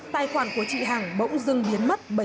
tài khoản của chị hằng bỗng dưng biến mất